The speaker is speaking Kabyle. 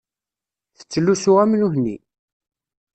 Tettlusu am nutni.